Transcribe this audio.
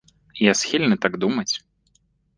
Я схільны так думаць.